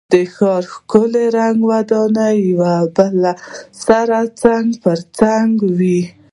د ښار ښکلی رنګه ودانۍ یو بل سره څنګ په څنګ وې.